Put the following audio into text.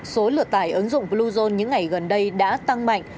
số lượt tải ứng dụng bluezone những ngày gần đây đã tăng mạnh